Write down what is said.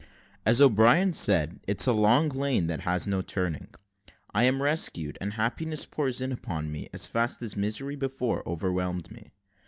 AS O'BRIEN SAID, IT'S A LONG LANE THAT HAS NO TURNING I AM RESCUED, AND HAPPINESS POURS IN UPON ME AS FAST AS MISERY BEFORE OVERWHELMED ME.